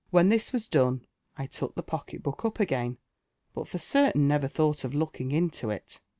When this was done, I took the pocket book up again, bul for certain never thought of looking into it.